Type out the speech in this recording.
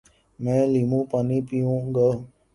میں لیموں پانی پیوں گا